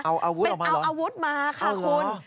เอาอาวุธออกมาเหรอเอาอาวุธมาค่ะคุณ